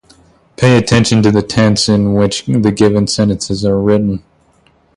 Pay attention to the tense in which the given sentences are written.